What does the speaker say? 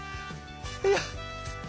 いや。